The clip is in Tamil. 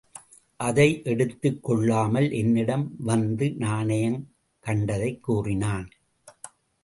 அதை எடுத்துக் கொள்ளாமல் என்னிடம் வந்து நாணயம் கண்டதைக் கூறினான்.